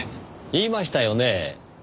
言いましたよね。